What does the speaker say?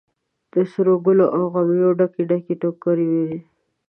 د سروګلو او غمیو ډکې، ډکې ټوکرۍ ویني